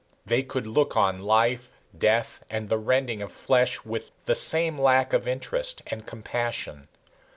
They could look on life, death, and the rending of flesh with the same lack of interest and compassion.